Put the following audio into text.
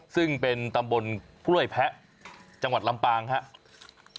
ซึ่งเป็นตำบลกล้วยแพะจังหวัดลำปางครับ